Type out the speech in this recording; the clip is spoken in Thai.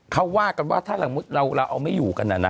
เขาว่ากลับว่าท่าละมุดเราเอาไม่อยู่กันน่ะนะ